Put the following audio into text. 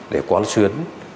để quán xuyến